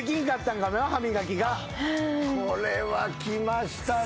これはきましたね。